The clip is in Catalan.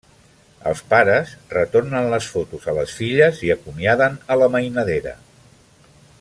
Els pares retornen les fotos a les filles i acomiaden a la mainadera.